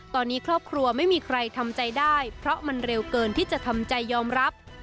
ตอนนี้ครอบครัวไม่มีใครทำใจได้เพราะมันเร็วเกินที่จะทำใจยอมรับ